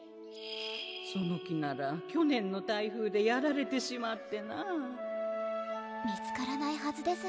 その木なら去年の台風でやられてしまって見つからないはずです